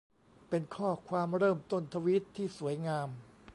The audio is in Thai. เป็นข้อความเริ่มต้นทวีตที่สวยงาม